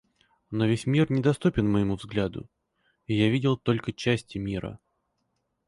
Но весь мир недоступен моему взгляду, и я видел только части мира.